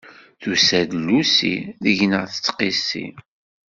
Yusa d llusi, deg-neɣ ittqissi.